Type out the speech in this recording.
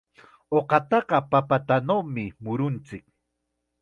Uqataqa papatanawmi murunchik.